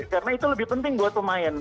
karena itu lebih penting buat pemain